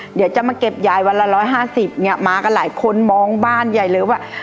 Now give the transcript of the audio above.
เดี๋ยวจะมาเก็บยายวันละ๑๕๐เนี่ยมากันหลายคนมองบ้านใหญ่เลยว่า